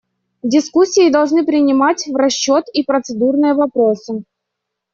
Дискуссии должны принимать в расчет и процедурные вопросы.